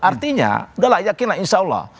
artinya udah lah yakinlah insya allah